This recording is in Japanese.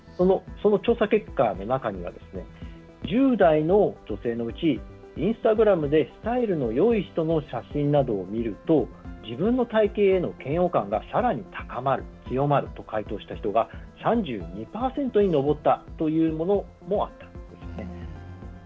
その調査結果の中には１０代の女性のうちインスタグラムでスタイルのよい人の写真などを見ると自分の体型への嫌悪感がさらに高まる、強まると回答した人が３２％に上ったというものもあったんです。